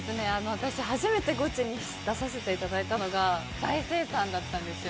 私、初めてゴチに出させていただいたのが、大精算だったんですよ。